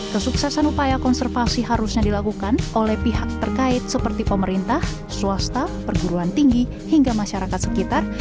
kesuksesan upaya konservasi harusnya dilakukan oleh pihak terkait seperti pemerintah swasta perguruan tinggi hingga masyarakat sekitar